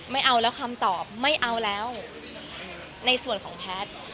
ไม่เอาแล้วคำตอบไม่เอาแล้วในส่วนของแพทย์